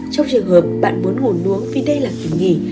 trong trường hợp bạn muốn ngủ nuống vì đây là kỳ nghỉ